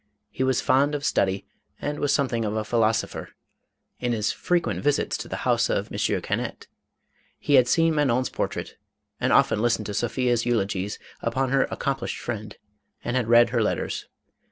He was fond of study, and was something of a philosopher. In his frequent visits to the house of M. Cannet, he had seen Manon's portrait, and often listened to Sophia's eulogies upon her accomplished friend, and had read her letters.